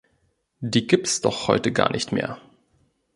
Die gibts doch heute gar nicht mehr.